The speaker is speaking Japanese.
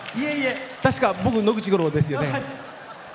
確か僕、野口五郎ですよね。